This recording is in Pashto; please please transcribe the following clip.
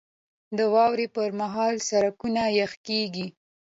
• د واورې پر مهال سړکونه یخ کېږي.